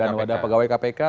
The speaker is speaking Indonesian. dan wadah pegawai kpk